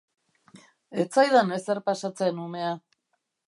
Ez zaidan ezer pasatzen, umea.